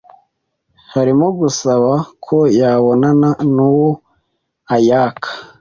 harimo gusaba ko yabonana n’uwo ayaka